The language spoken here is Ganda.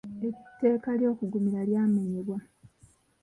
Etteeka ly’okuggumira lyamenyebwa.